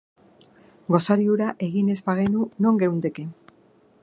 Gosari hura egin ez bagenu, non geundeke?